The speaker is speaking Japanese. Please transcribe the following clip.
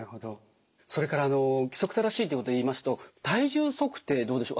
それから規則正しいということで言いますと体重測定どうでしょう。